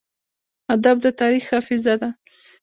ادب د تاریخ حافظه ده.